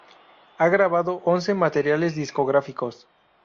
Ha grabado once materiales discográficos